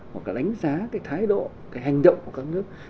hoặc là đánh giá cái thái độ cái hành động của các nước